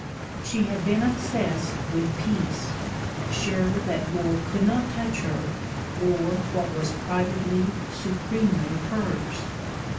She had been obsessed with peace: sure that war could not touch her or what was privately, supremely, hers.